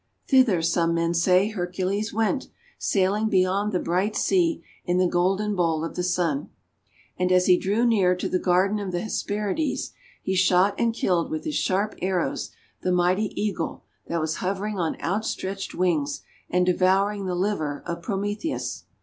Thither some men say Hercules went, sailing beyond the bright sea in the Golden Bowl of the Sun. And as he drew near to the Garden of the Hesperides, he shot and killed with his sharp arrows the mighty Eagle that was hovering on outstretched wings and devouring the liver of Prometheus.